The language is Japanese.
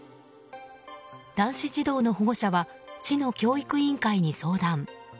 男子児童の保護者は市の教育委員会に相談。